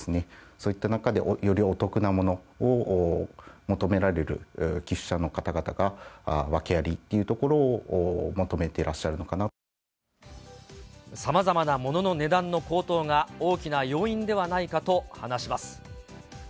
そういった中で、よりお得なものを求められる寄付者の方々が、訳ありっていうとこさまざまな物の値段の高騰が大きな要因ではないかと話します。